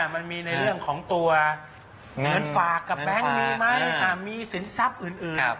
มันมีในเรื่องของตัวเงินฝากกับแบงค์มีไหมมีสินทรัพย์อื่น